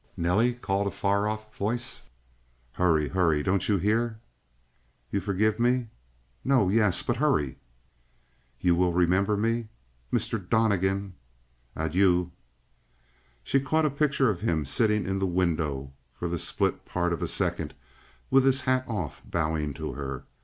"Nelly!" called a far off voice. "Hurry, hurry! Don't you hear?" "You forgive me?" "No yes but hurry!" "You will remember me?" "Mr. Donnegan!" "Adieu!" She caught a picture of him sitting in the window for the split part of a second, with his hat off, bowing to her.